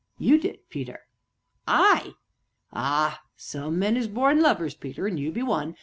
"You did, Peter." "I?" "Ah! some men is born lovers, Peter, an' you be one.